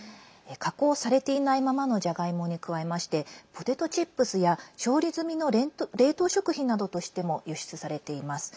加工されていないままのじゃがいもに加えましてポテトチップスや調理済みの冷凍食品などとしても輸出されています。